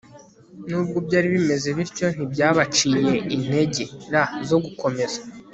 nubwo byari bimeze bityo ntibyabaciye integer zo gukomeza